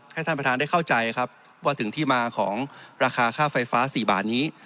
ให้ท่านประธานได้เข้าใจครับว่าถึงที่มาของราคาค่าไฟฟ้า๔บาทนี้